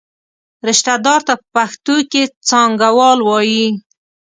رشته دار ته په پښتو کې څانګوال وایي.